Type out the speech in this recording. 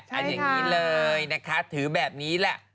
ใช่ค่ะอันอย่างนี้เลยนะคะถือแบบนี้แหละ